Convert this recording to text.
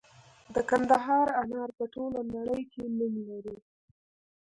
د کندهار انار په ټوله نړۍ کې نوم لري.